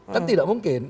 kan tidak mungkin